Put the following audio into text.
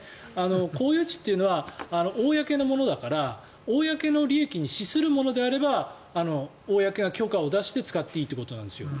公有地というのは公のものだから公の利益に資するものであれば公は許可を出して使っていいということなんですよ。